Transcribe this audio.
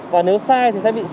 và nếu sai